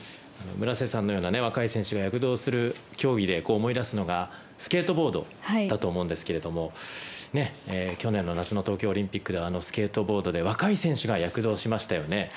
村瀬さんのような若い選手が躍動する競技で思い出すのがスケートボードだと思うんですが去年の夏の東京オリンピックではスケートボードで若い選手が躍動しましたよね。